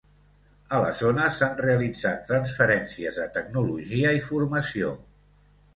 A la zona s'han realitzat transferències de tecnologia i formació.